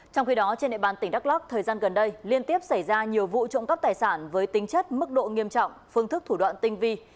trong khi đó trên địa bàn tỉnh đắk lóc thời gian gần đây liên tiếp xảy ra nhiều vụ trộm cắp tài sản với tính chất mức độ nghiêm trọng phương thức thủ đoạn tinh vi